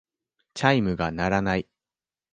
チャイムが鳴らない。